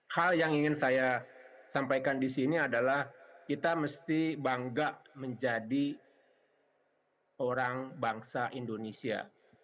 hal yang ingin saya sampaikan di sini adalah kita mesti bangga menjadi orang bangsa indonesia